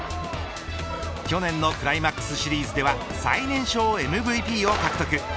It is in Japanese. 去年のクライマックスシリーズでは最年少ＭＶＰを獲得。